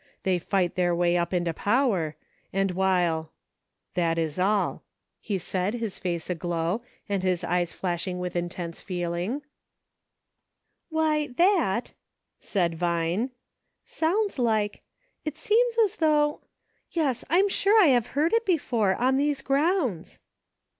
They fight their way up into power : and while —"" That is all," he said, his face aglow, and his eyes flashing with intense feeling. 338 " THAT BEATS ME !"" Why, that," said Vine, " sounds like — it seems as though — yes, I am sure I have heard it before, on these grounds